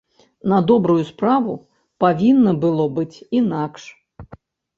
На добрую справу, павінна было быць інакш.